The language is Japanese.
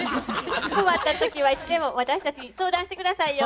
困った時はいつでも私たちに相談して下さいよ。